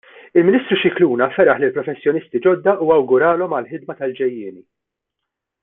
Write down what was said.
Il-Ministru Scicluna feraħ lill-professjonisti ġodda u awguralhom għall-ħidma tal-ġejjieni.